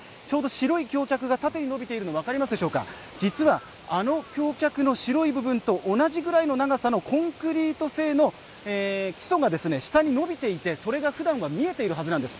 白い橋脚が縦に伸びているのわかりますでしょうか、実はあの橋脚の白い部分と同じぐらいの高さのコンクリート製の基礎が下に延びていてそれがふだんは見えているはずなんです。